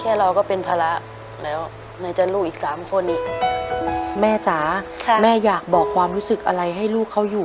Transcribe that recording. เราก็เป็นภาระแล้วไหนจะลูกอีก๓คนนี้แม่จ๋าแม่อยากบอกความรู้สึกอะไรให้ลูกเขาอยู่